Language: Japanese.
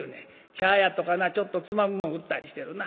茶やとかなちょっとつまむもん売ったりしてるな